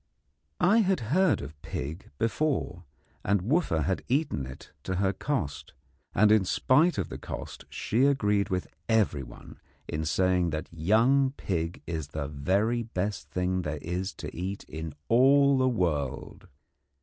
I had heard of pig before, and Wooffa had eaten it to her cost; and in spite of the cost she agreed with everyone in saying that young pig is the very best thing there is to eat in all the world.